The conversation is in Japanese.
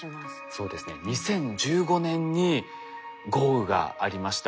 そうですね２０１５年に豪雨がありました。